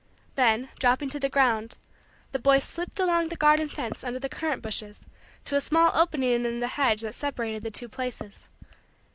Then, dropping to the ground, the boy slipped along the garden fence under the currant bushes to a small opening in the hedge that separated the two places.